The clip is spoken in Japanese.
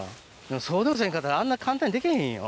そうでもせんかったらあんな簡単にでけへんよ。